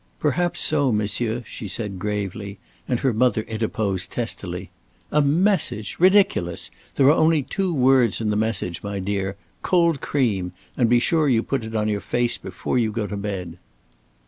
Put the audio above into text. "Perhaps so, monsieur," she said, gravely, and her mother interposed testily: "A message! Ridiculous! There are only two words in the message, my dear. Cold cream! and be sure you put it on your face before you go to bed."